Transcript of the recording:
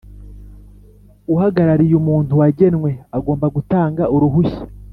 uhagarariye umuntu wagenwe agomba gutanga uruhushya